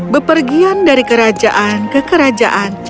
bepergian dari kerajaan ke kerajaan